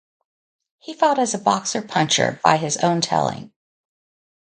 He fought as a boxer-puncher, by his own telling.